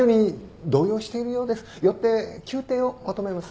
よって休廷を求めます。